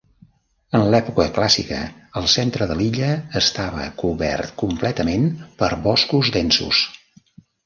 En l'època clàssica el centre de l'illa estava cobert completament per boscos densos.